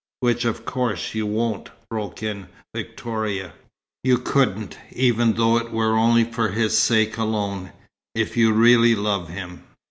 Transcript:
"Which, of course, you won't," broke in Victoria. "You couldn't, even though it were only for his sake alone, if you really love him.